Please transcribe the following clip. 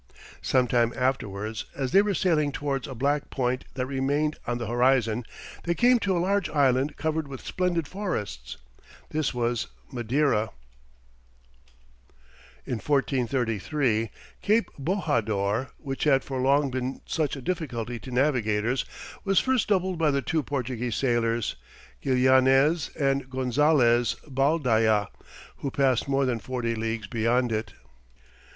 Sometime afterwards, as they were sailing towards a black point that remained on the horizon, they came to a large island covered with splendid forests; this was Madeira. [Illustration: Prince Henry of Portugal "The Navigator."] In 1433, Cape Bojador, which had for long been such a difficulty to navigators, was first doubled by the two Portuguese sailors, Gillianès and Gonzalès Baldaya, who passed more than forty leagues beyond it.